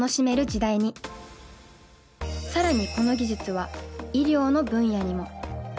さらにこの技術は医療の分野にも。